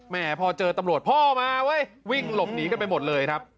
พอเจอตำรวจพ่อมาเว้ยวิ่งหลบหนีกันไปหมดเลยครับ